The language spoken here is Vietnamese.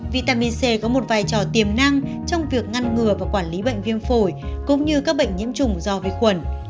vitamin c có một vai trò tiềm năng trong việc ngăn ngừa và quản lý bệnh viêm phổi cũng như các bệnh nhiễm trùng do vi khuẩn